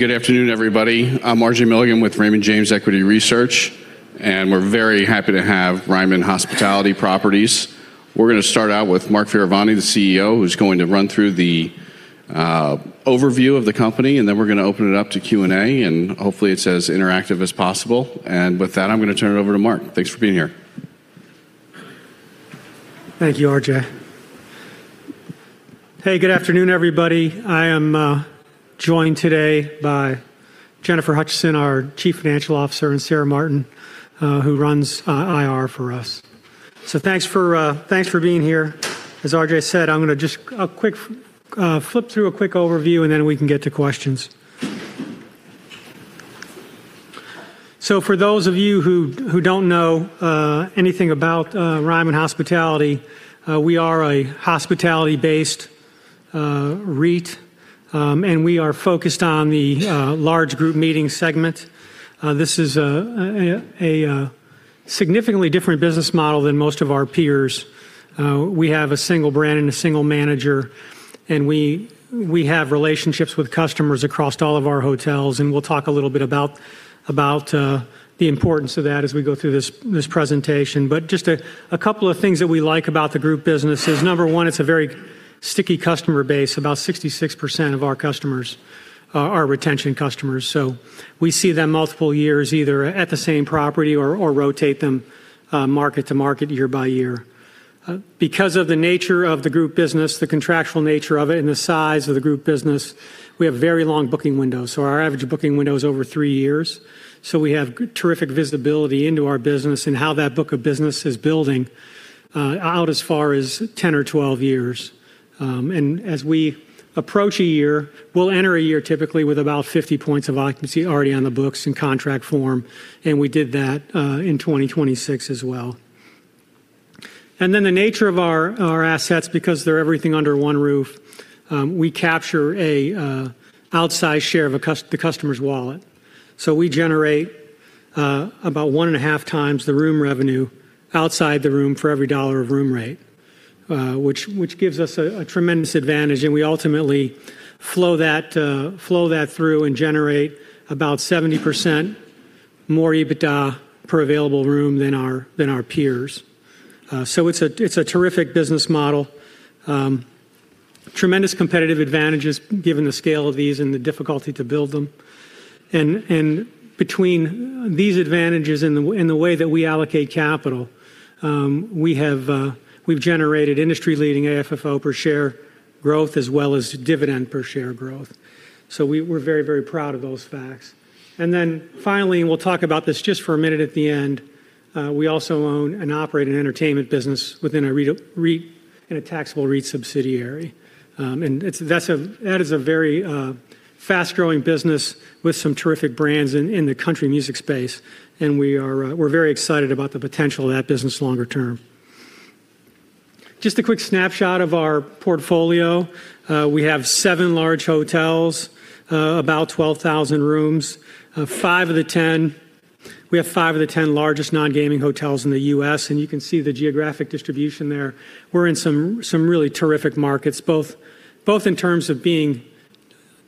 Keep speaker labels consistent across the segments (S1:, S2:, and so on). S1: Good afternoon, everybody. I'm R.J. Milligan with Raymond James Equity Research, and we're very happy to have Ryman Hospitality Properties. We're going to start out with Mark Fioravanti, the CEO, who's going to run through the overview of the company, and then we're going to open it up to Q&A, and hopefully it's as interactive as possible. With that, I'm going to turn it over to Mark. Thanks for being here.
S2: Thank you, R.J. Hey, good afternoon, everybody. I am joined today by Jennifer Hutcheson, our Chief Financial Officer, and Sarah Martin, who runs IR for us. Thanks for being here. As R.J. said, I'm gonna just a quick flip through a quick overview, and then we can get to questions. For those of you who don't know anything about Ryman Hospitality, we are a hospitality-based REIT, and we are focused on the large group meeting segment. This is a significantly different business model than most of our peers. We have a single brand and a single manager, and we have relationships with customers across all of our hotels, and we'll talk a little bit about the importance of that as we go through this presentation. Just a couple of things that we like about the group business is, number one, it's a very sticky customer base. About 66% of our customers are retention customers, so we see them multiple years, either at the same property or rotate them, market to market, year by year. Because of the nature of the group business, the contractual nature of it, and the size of the group business, we have very long booking windows. Our average booking window is over three years, so we have terrific visibility into our business and how that book of business is building, out as far as 10 or 12 years. As we approach a year, we'll enter a year typically with about 50 points of occupancy already on the books in contract form, and we did that in 2026 as well. The nature of our assets, because they're everything under one roof, we capture a outsized share of the customer's wallet. We generate about 1.5x the room revenue outside the room for every $1 of room rate, which gives us a tremendous advantage, and we ultimately flow that through and generate about 70% more EBITDA per available room than our peers. It's a terrific business model. Tremendous competitive advantages given the scale of these and the difficulty to build them. Between these advantages and the way that we allocate capital, we have generated industry-leading AFFO per share growth as well as dividend per share growth. We're very proud of those facts. Finally, we'll talk about this just for a minute at the end, we also own and operate an entertainment business within a REIT, in a taxable REIT subsidiary. It's, that is a very fast-growing business with some terrific brands in the country music space, we are very excited about the potential of that business longer term. Just a quick snapshot of our portfolio. We have seven large hotels, about 12,000 rooms. Five of the 10, we have five of the 10 largest non-gaming hotels in the U.S., and you can see the geographic distribution there. We're in some really terrific markets, both in terms of being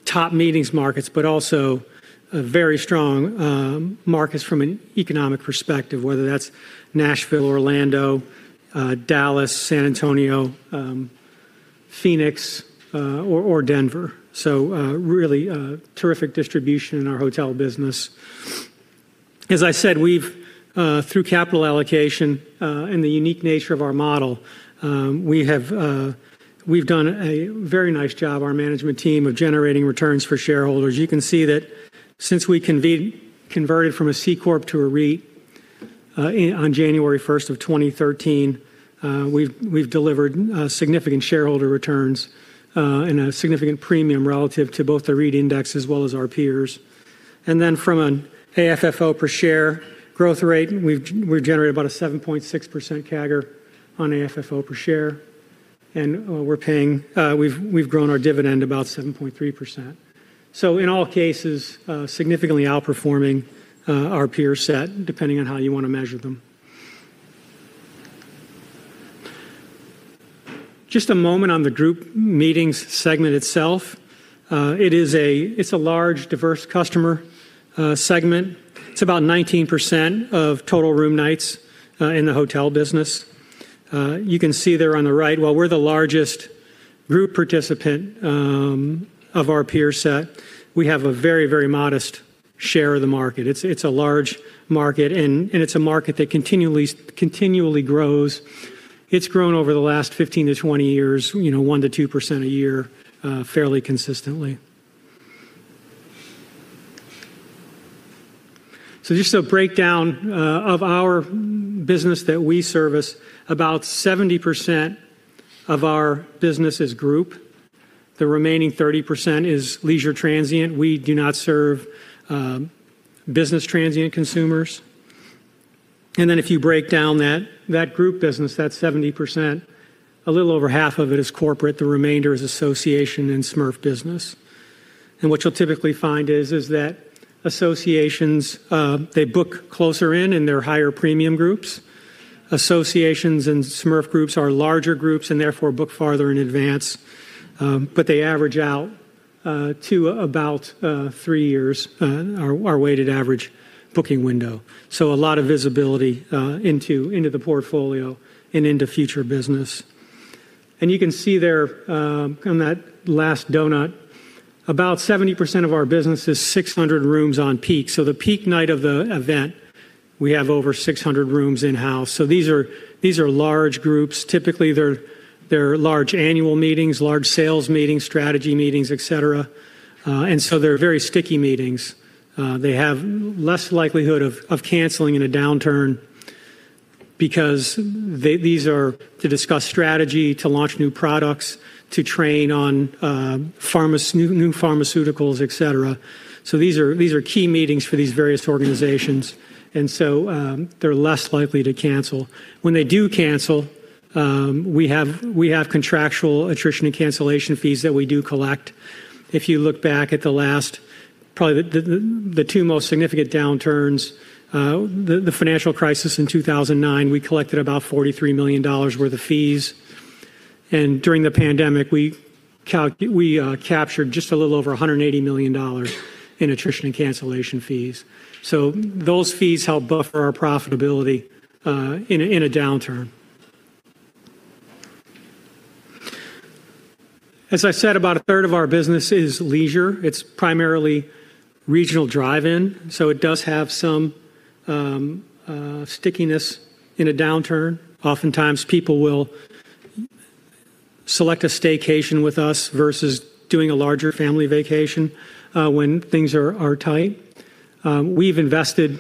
S2: top meetings markets, but also, very strong, markets from an economic perspective, whether that's Nashville, Orlando, Dallas, San Antonio, Phoenix, or Denver. Really, terrific distribution in our hotel business. As I said, we've, through capital allocation, and the unique nature of our model, we have, we've done a very nice job, our management team, of generating returns for shareholders. You can see that since we converted from a C Corp to a REIT, on January 1st of 2013, we've delivered significant shareholder returns and a significant premium relative to both the REIT index as well as our peers. From an AFFO per share growth rate, we've generated about a 7.6% CAGR on AFFO per share, and we've grown our dividend about 7.3%. In all cases, significantly outperforming our peer set, depending on how you want to measure them. Just a moment on the group meetings segment itself. It's a large, diverse customer segment. It's about 19% of total room nights in the hotel business. You can see there on the right, while we're the largest group participant of our peer set, we have a very, very modest share of the market. It's a large market, and it's a market that continually grows. It's grown over the last 15-20 years, you know, 1%-2% a year, fairly consistently. Just a breakdown of our business that we service. About 70% of our business is group. The remaining 30% is leisure transient. We do not serve business transient consumers. If you break down that group business, that 70%, a little over half of it is corporate. The remainder is association and SMERF business. What you'll typically find is that associations, they book closer in, and they're higher premium groups. Associations and SMERF groups are larger groups and therefore book farther in advance, but they average out to about three years, our weighted average booking window. A lot of visibility into the portfolio and into future business. You can see there, on that last donut, about 70% of our business is 600 rooms on peak. The peak night of the event, we have over 600 rooms in-house. These are large groups. Typically, they're large annual meetings, large sales meetings, strategy meetings, etc. They're very sticky meetings. They have less likelihood of canceling in a downturn because these are to discuss strategy, to launch new products, to train on new pharmaceuticals, etc. These are key meetings for these various organizations, and so they're less likely to cancel. When they do cancel, we have contractual attrition and cancellation fees that we do collect. If you look back at the last probably the two most significant downturns, the financial crisis in 2009, we collected about $43 million worth of fees. During the pandemic, we captured just a little over $180 million in attrition and cancellation fees. Those fees help buffer our profitability in a downturn. As I said, about a third of our business is leisure. It's primarily regional drive-in. It does have some stickiness in a downturn. Oftentimes, people will select a staycation with us versus doing a larger family vacation when things are tight. We've invested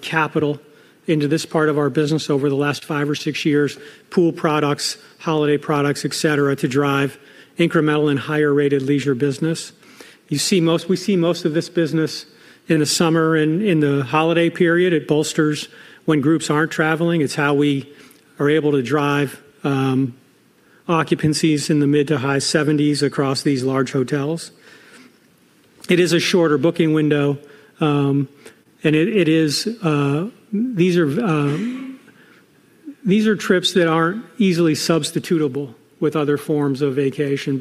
S2: capital into this part of our business over the last five or six years, pool products, holiday products, etc., to drive incremental and higher-rated leisure business. We see most of this business in the summer and in the holiday period. It bolsters when groups aren't traveling. It's how we are able to drive occupancies in the mid to high 70s across these large hotels. It is a shorter booking window, and it is, these are trips that aren't easily substitutable with other forms of vacation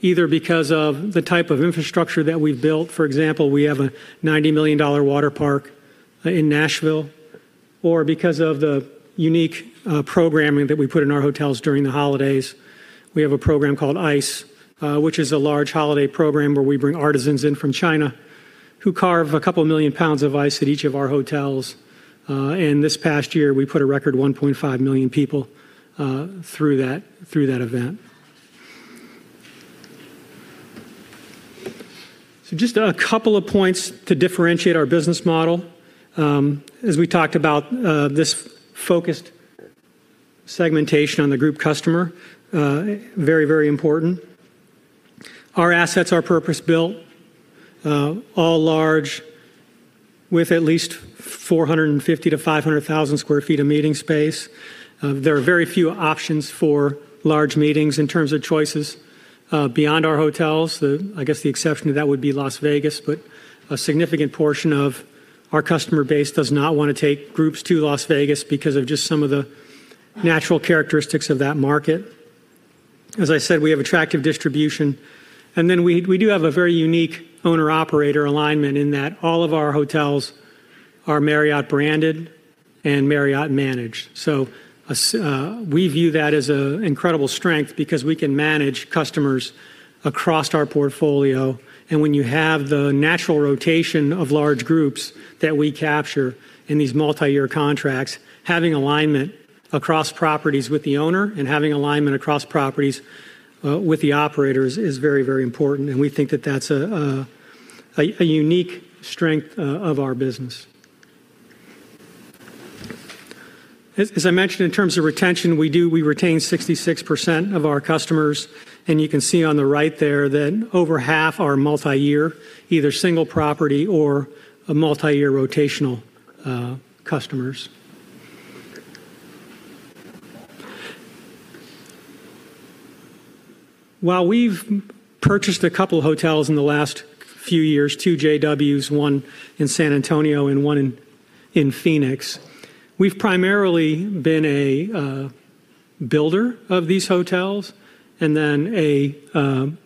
S2: either because of the type of infrastructure that we've built. For example, we have a $90 million water park in Nashville or because of the unique programming that we put in our hotels during the holidays. We have a program called ICE!, which is a large holiday program where we bring artisans in from China who carve a couple million pounds of ice at each of our hotels. This past year, we put a record 1.5 million people through that event. Just a couple of points to differentiate our business model. As we talked about, this focused segmentation on the group customer, very important. Our assets are purpose-built, all large with at least 450,000-500,000 sq ft of meeting space. There are very few options for large meetings in terms of choices beyond our hotels. The I guess the exception to that would be Las Vegas, but a significant portion of our customer base does not wanna take groups to Las Vegas because of just some of the natural characteristics of that market. As I said, we have attractive distribution. Then we do have a very unique owner-operator alignment in that all of our hotels are Marriott branded and Marriott managed. We view that as a incredible strength because we can manage customers across our portfolio. When you have the natural rotation of large groups that we capture in these multi-year contracts, having alignment across properties with the owner and having alignment across properties with the operators is very, very important, and we think that that's a unique strength of our business. As I mentioned, in terms of retention, we retain 66% of our customers, and you can see on the right there that over half are multi-year, either single property or a multi-year rotational customers. While we've purchased a couple hotels in the last few years, two JWs, one in San Antonio and one in Phoenix, we've primarily been a builder of these hotels and then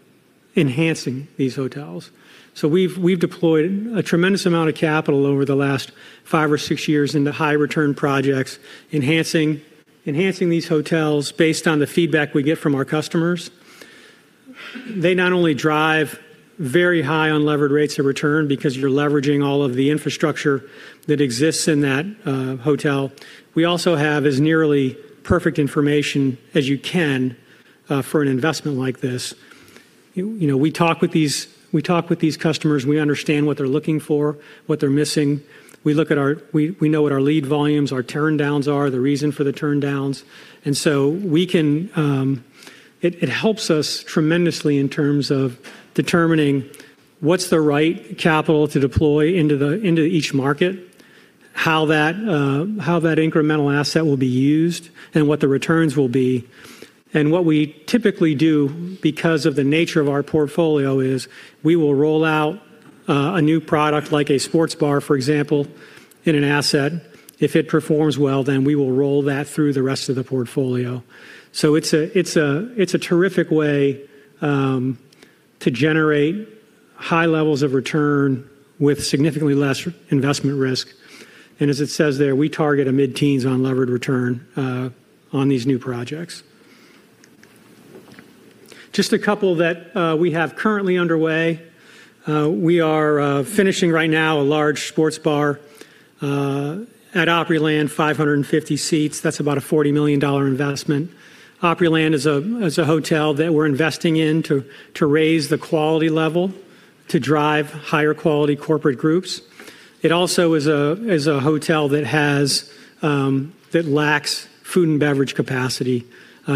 S2: enhancing these hotels. We've deployed a tremendous amount of capital over the last five or six years into high return projects, enhancing these hotels based on the feedback we get from our customers. They not only drive very high unlevered rates of return because you're leveraging all of the infrastructure that exists in that hotel. We also have as nearly perfect information as you can for an investment like this. You know, we talk with these customers. We understand what they're looking for, what they're missing. We know what our lead volumes, our turndowns are, the reason for the turndowns. It helps us tremendously in terms of determining what's the right capital to deploy into the, into each market, how that incremental asset will be used, and what the returns will be. What we typically do, because of the nature of our portfolio, is we will roll out a new product like a sports bar, for example, in an asset. If it performs well, then we will roll that through the rest of the portfolio. It's a terrific way to generate high levels of return with significantly less investment risk. As it says there, we target a mid-teens unlevered return on these new projects. Just a couple that we have currently underway. We are finishing right now a large sports bar at Opryland, 550 seats. That's about a $40 million investment. Opryland is a hotel that we're investing in to raise the quality level, to drive higher quality corporate groups. It also is a hotel that has that lacks food and beverage capacity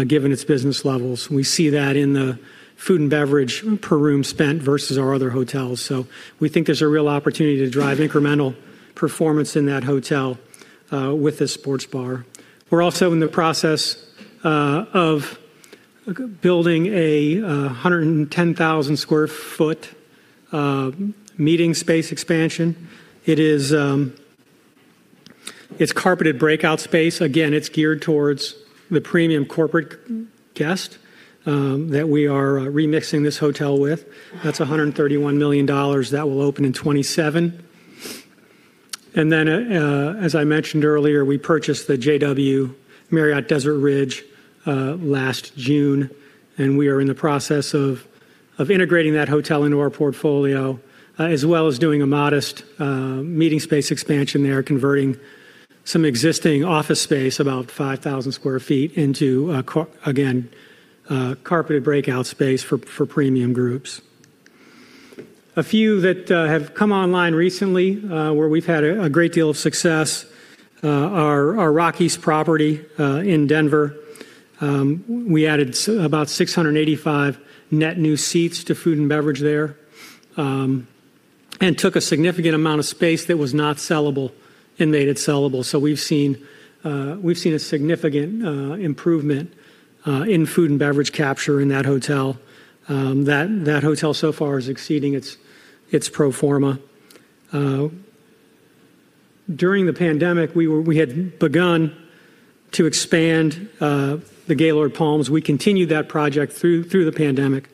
S2: given its business levels. We see that in the food and beverage per room spent versus our other hotels. We think there's a real opportunity to drive incremental performance in that hotel with this sports bar. We're also in the process of building a 110,000 sq ft meeting space expansion. It is, it's carpeted breakout space. Again, it's geared towards the premium corporate guest that we are remixing this hotel with. That's $131 million. That will open in 2027. As I mentioned earlier, we purchased the JW Marriott Desert Ridge last June, and we are in the process of integrating that hotel into our portfolio, as well as doing a modest meeting space expansion there, converting some existing office space, about 5,000 sq ft, into again, a carpeted breakout space for premium groups. A few that have come online recently, where we've had a great deal of success, are our Rockies property in Denver. We added about 685 net new seats to food and beverage there, and took a significant amount of space that was not sellable and made it sellable. We've seen a significant improvement in food and beverage capture in that hotel. That hotel so far is exceeding its pro forma. During the pandemic, we had begun to expand the Gaylord Palms. We continued that project through the pandemic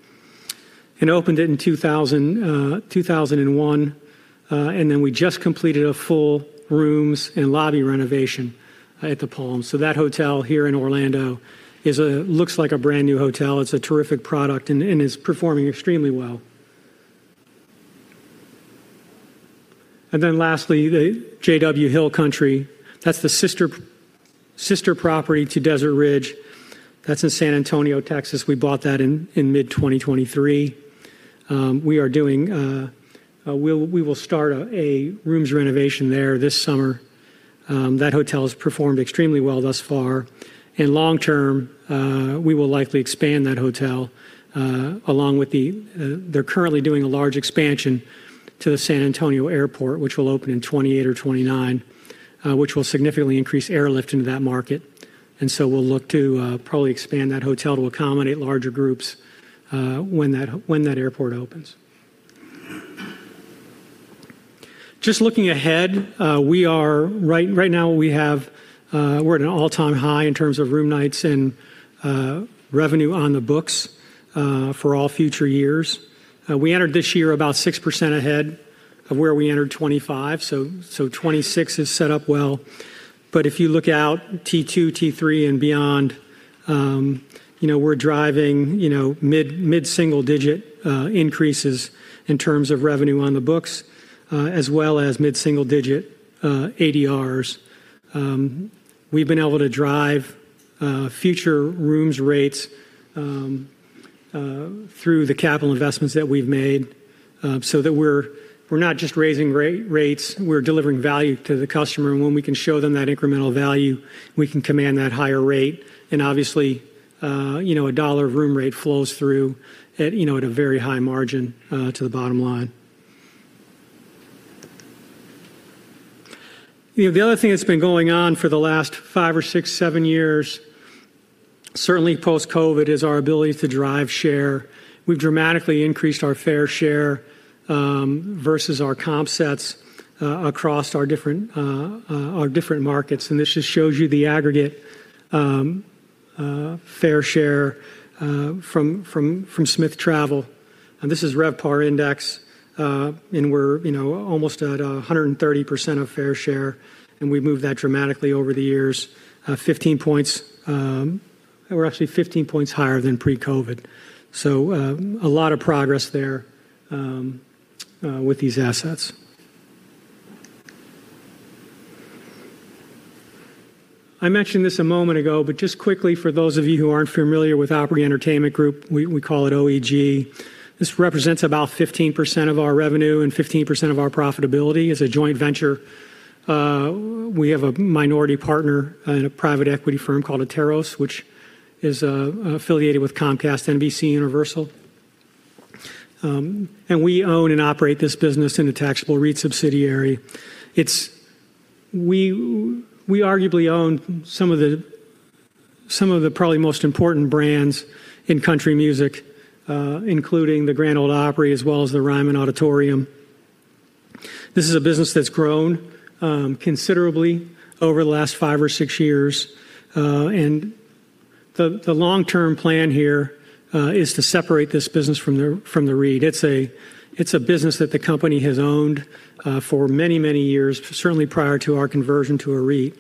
S2: and opened it in 2000, 2001. We just completed a full rooms and lobby renovation at the Palms. That hotel here in Orlando looks like a brand-new hotel. It's a terrific product and is performing extremely well. Lastly, the JW Hill Country, that's the sister property to Desert Ridge. That's in San Antonio, Texas. We bought that in mid 2023. We will start a rooms renovation there this summer. That hotel has performed extremely well thus far. Long term, we will likely expand that hotel along with the. They're currently doing a large expansion to the San Antonio Airport, which will open in 2028 or 2029, which will significantly increase airlift into that market. We'll look to probably expand that hotel to accommodate larger groups when that airport opens. Just looking ahead, we are right now we have, we're at an all-time high in terms of room nights and revenue on the books for all future years. We entered this year about 6% ahead of where we entered 2025. 2026 is set up well. If you look out T2, T3, and beyond, you know, we're driving, you know, mid-single digit increases in terms of revenue on the books as well as mid-single digit ADRs. We've been able to drive future rooms rates through the capital investments that we've made so that we're not just raising rates, we're delivering value to the customer. When we can show them that incremental value, we can command that higher rate. Obviously, you know, a dollar of room rate flows through at, you know, at a very high margin to the bottom line. You know, the other thing that's been going on for the last five or six, seven years, certainly post-COVID, is our ability to drive share. We've dramatically increased our fair share versus our comp sets across our different our different markets. This just shows you the aggregate fair share from STR. This is RevPAR index, and we're, you know, almost at 130% of fair share, and we've moved that dramatically over the years. 15 points, we're actually 15 points higher than pre-COVID. A lot of progress there with these assets. I mentioned this a moment ago, just quickly for those of you who aren't familiar with Opry Entertainment Group, we call it OEG. This represents about 15% of our revenue and 15% of our profitability. It's a joint venture. We have a minority partner and a private equity firm called Atairos, which is affiliated with Comcast NBCUniversal. We own and operate this business in a taxable REIT subsidiary. We arguably own some of the probably most important brands in country music, including the Grand Ole Opry as well as the Ryman Auditorium. This is a business that's grown considerably over the last five or six years. The long-term plan here is to separate this business from the REIT. It's a business that the company has owned for many, many years, certainly prior to our conversion to a REIT.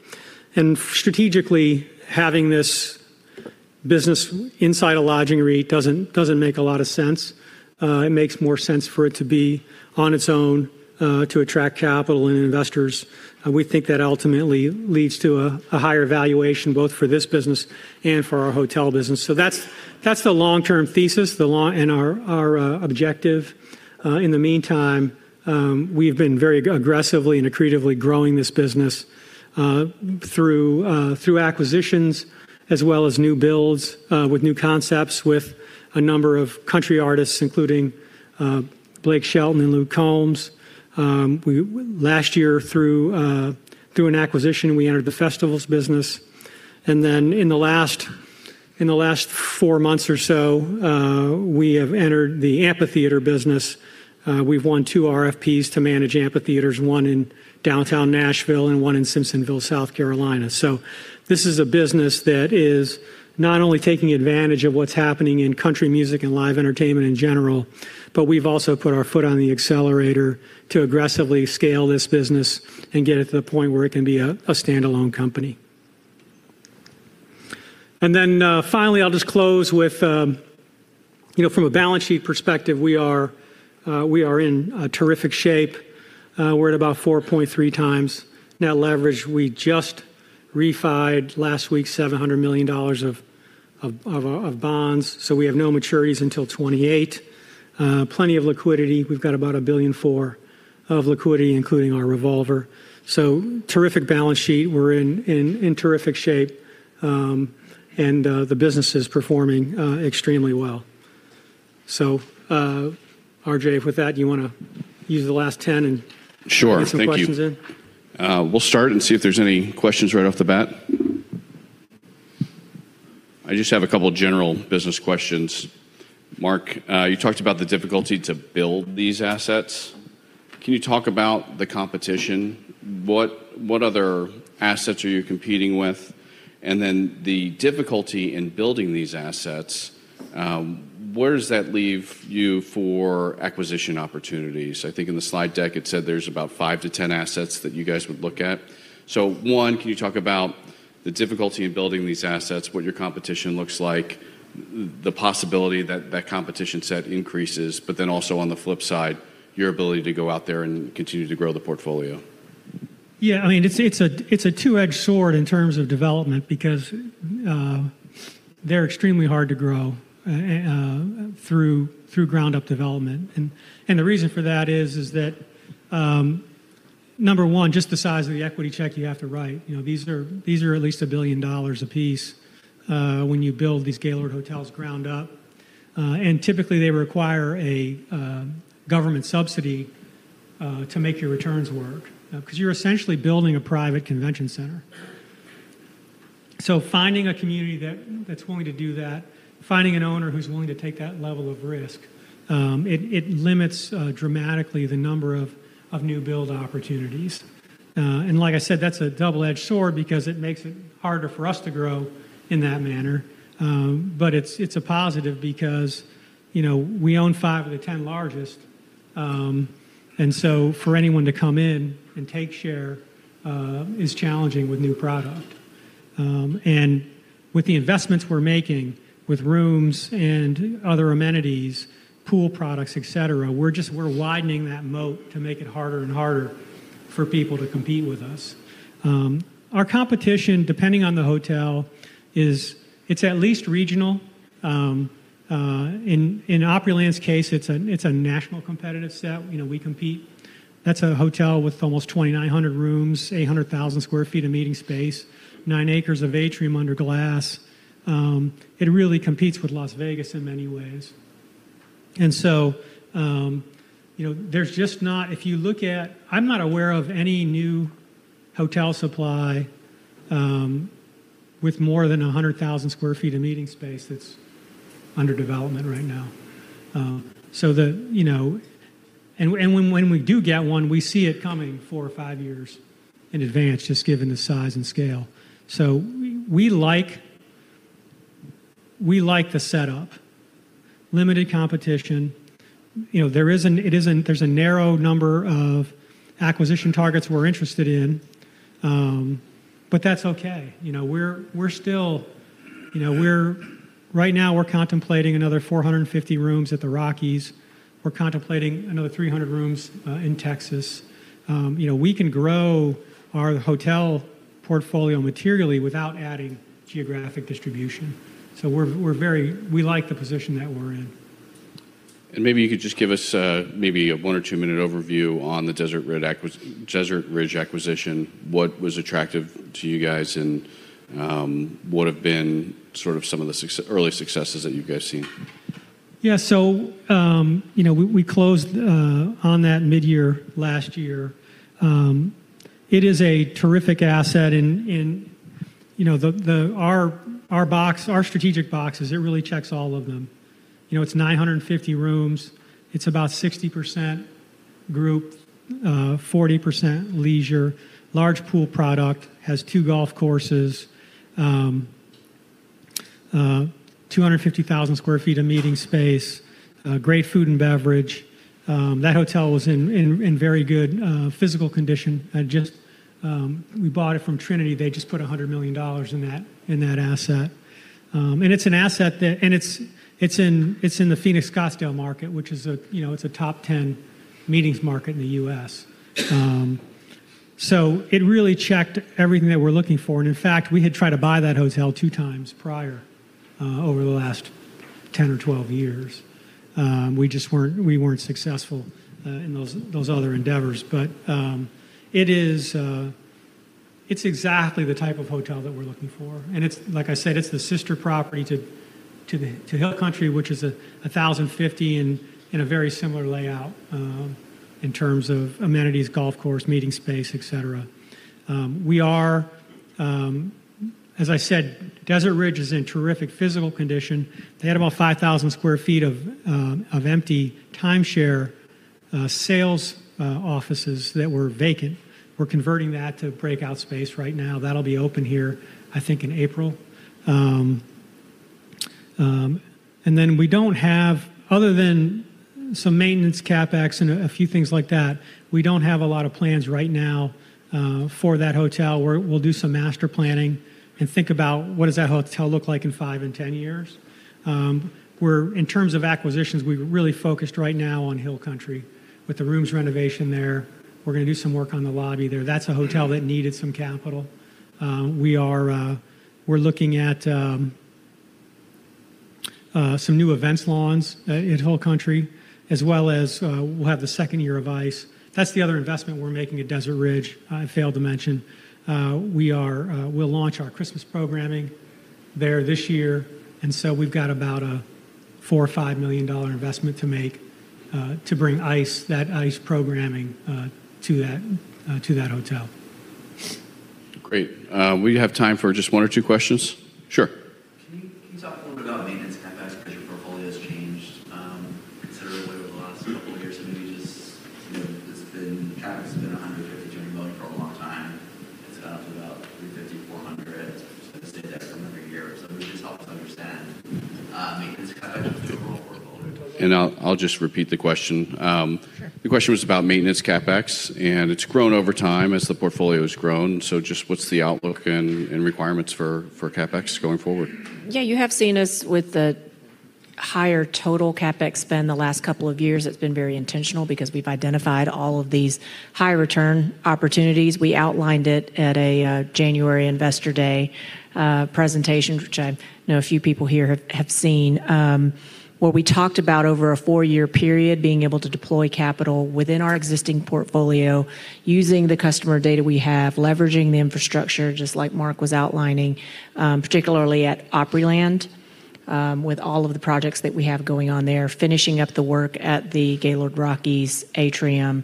S2: Strategically, having this business inside a lodging REIT doesn't make a lot of sense. It makes more sense for it to be on its own to attract capital and investors. We think that ultimately leads to a higher valuation both for this business and for our hotel business. That's the long-term thesis and our objective. In the meantime, we've been very aggressively and accretively growing this business through acquisitions as well as new builds with new concepts with a number of country artists, including Blake Shelton and Luke Combs. We last year through an acquisition, we entered the festivals business. In the last four months or so, we have entered the amphitheater business. We've won two RFPs to manage amphitheaters, one in downtown Nashville and one in Simpsonville, South Carolina. This is a business that is not only taking advantage of what's happening in country music and live entertainment in general, but we've also put our foot on the accelerator to aggressively scale this business and get it to the point where it can be a standalone company. Finally, I'll just close with, you know, from a balance sheet perspective, we are in a terrific shape. We're at about 4.3x net leverage. We just refi'd last week $700 million of bonds, so we have no maturities until 2028. Plenty of liquidity. We've got about $1.4 billion of liquidity, including our revolver. Terrific balance sheet. We're in terrific shape, and the business is performing extremely well. R.J., with that, do you wanna use the last 10?
S1: Sure. Thank you.
S2: Get some questions in?
S1: We'll start and see if there's any questions right off the bat. I just have a couple general business questions. Mark, you talked about the difficulty to build these assets. Can you talk about the competition? What other assets are you competing with? The difficulty in building these assets, where does that leave you for acquisition opportunities? I think in the slide deck, it said there's about five to 10 assets that you guys would look at. Can you talk about the difficulty in building these assets, what your competition looks like, the possibility that that competition set increases, but then also on the flip side, your ability to go out there and continue to grow the portfolio?
S2: I mean, it's a two-edged sword in terms of development because they're extremely hard to grow through ground-up development. The reason for that is that, number one, just the size of the equity check you have to write. You know, these are at least $1 billion a piece when you build these scale or hotels ground up. Typically, they require a government subsidy to make your returns work 'cause you're essentially building a private convention center. Finding a community that's willing to do that, finding an owner who's willing to take that level of risk, it limits dramatically the number of new build opportunities. Like I said, that's a double-edged sword because it makes it harder for us to grow in that manner. It's a positive because, you know, we own five of the 10 largest, and for anyone to come in and take share is challenging with new product. With the investments we're making with rooms and other amenities, pool products, etc., we're widening that moat to make it harder and harder for people to compete with us. Our competition, depending on the hotel, is at least regional. In Opryland's case, it's a national competitive set. You know, we compete. That's a hotel with almost 2,900 rooms, 800,000 sq ft of meeting space, nine acres of atrium under glass. It really competes with Las Vegas in many ways. You know, there's just not. If you look at, I'm not aware of any new hotel supply with more than 100,000 sq ft of meeting space that's under development right now. The, you know, when we do get one, we see it coming four or five years in advance just given the size and scale. We like the setup. Limited competition. You know, there is an, there's a narrow number of acquisition targets we're interested in, but that's okay. You know, we're still, you know, Right now, we're contemplating another 450 rooms at the Rockies. We're contemplating another 300 rooms in Texas. You know, we can grow our hotel portfolio materially without adding geographic distribution. We like the position that we're in.
S1: Maybe you could just give us, maybe a one or two-minute overview on the Desert Ridge acquisition. What was attractive to you guys, and, what have been sort of some of the early successes that you guys seen?
S2: You know, we closed on that mid-year last year. It is a terrific asset in, you know, the. Our box, our strategic boxes, it really checks all of them. You know, it's 950 rooms. It's about 60% group, 40% leisure. Large pool product, has two golf courses, 250,000 sq ft of meeting space, great food and beverage. That hotel was in very good physical condition. Just, we bought it from Trinity. They just put $100 million in that asset. It's an asset that. It's in the Phoenix, Scottsdale market, which is a, you know, it's a top 10 meetings market in the U.S. It really checked everything that we're looking for. In fact, we had tried to buy that hotel 2x prior, over the last 10 or 12 years. We just weren't successful in those other endeavors. It is exactly the type of hotel that we're looking for. It's, like I said, it's the sister property to Hill Country, which is 1,050 and in a very similar layout, in terms of amenities, golf course, meeting space, etc. We are, as I said, Desert Ridge is in terrific physical condition. They had about 5,000 sq ft of empty timeshare sales offices that were vacant. We're converting that to breakout space right now. That'll be open here, I think, in April. We don't have Other than some maintenance CapEx and a few things like that, we don't have a lot of plans right now for that hotel. We'll do some master planning and think about what does that hotel look like in five and 10 years. We're, in terms of acquisitions, we're really focused right now on Hill Country with the rooms renovation there. We're gonna do some work on the lobby there. That's a hotel that needed some capital. We are, we're looking at some new events lawns at Hill Country, as well as we'll have the second year of ICE! That's the other investment we're making at Desert Ridge I failed to mention. We are, we'll launch our Christmas programming there this year. We've got about a $4 million-$5 million investment to make to bring ICE!, that ICE! programming to that hotel.
S1: Great. We have time for just one or two questions. Sure.
S3: Can you talk a little bit about maintenance CapEx because your portfolio has changed, considerably over the last couple of years? Maybe just, you know, it's been, kind of it's been $150 million for a long time. It's gone up to about $350 million-$400 million since the deck from every year. If you could just help us understand maintenance CapEx role for folder.
S1: I'll just repeat the question.
S4: Sure.
S1: The question was about maintenance CapEx, and it's grown over time as the portfolio's grown. Just what's the outlook and requirements for CapEx going forward? You have seen us with the higher total CapEx spend the last couple of years. It's been very intentional because we've identified all of these high return opportunities. We outlined it at a January investor day presentation, which I know a few people here have seen. What we talked about over a four-year period, being able to deploy capital within our existing portfolio using the customer data we have, leveraging the infrastructure, just like Mark was outlining, particularly at Opryland, with all of the projects that we have going on there, finishing up the work at the Gaylord Rockies atrium,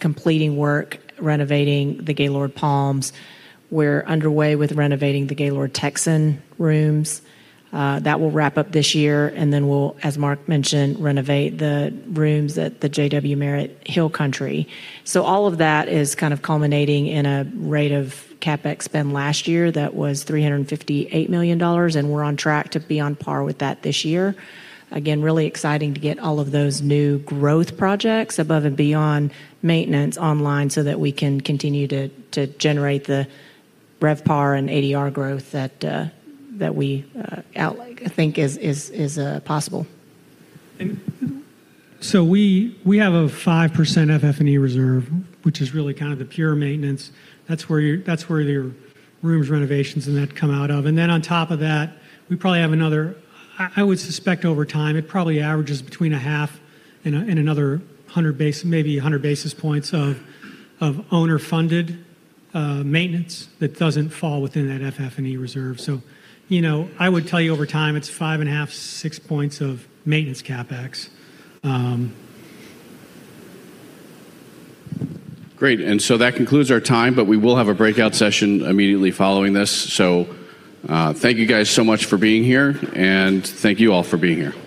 S1: completing work renovating the Gaylord Palms. We're underway with renovating the Gaylord Texan rooms. That will wrap up this year, then we'll, as Mark mentioned, renovate the rooms at the JW Marriott Hill Country.
S4: All of that is kind of culminating in a rate of CapEx spend last year that was $358 million, and we're on track to be on par with that this year. Again, really exciting to get all of those new growth projects above and beyond maintenance online so that we can continue to generate the RevPAR and ADR growth that we outline, I think is possible.
S2: We have a 5% FF&E reserve, which is really kind of the pure maintenance. That's where your rooms renovations and that come out of. On top of that, we probably have another. I would suspect over time, it probably averages between a half and another 100 base, maybe 100 basis points of owner-funded maintenance that doesn't fall within that FF&E reserve. You know, I would tell you over time, it's 5.5, 6 points of maintenance CapEx.
S1: Great. That concludes our time, but we will have a breakout session immediately following this. Thank you guys so much for being here, and thank you all for being here.